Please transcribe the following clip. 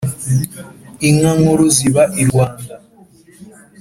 inka nkuru ziba i rwanda